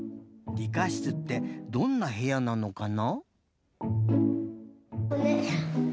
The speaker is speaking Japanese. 理科室ってどんなへやなのかな？